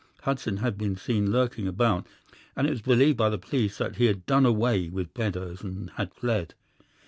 Hudson had been seen lurking about, and it was believed by the police that he had done away with Beddoes and had fled.